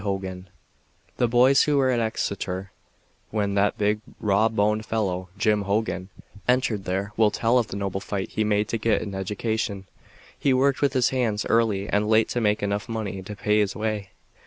Hogan The boys who were at Exeter when that big raw boned fellow, Jim Hogan, entered there will tell of the noble fight he made to get an education. He worked with his hands early and late to make enough money to pay his way.